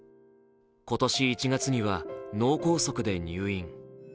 今年１月には、脳梗塞で入院。